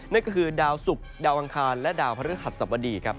นั่นก็คือดาวสุบดาวอังคารและดาวพระฤนธรรมดี